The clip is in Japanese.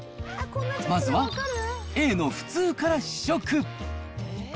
まずはＡの普通から試食。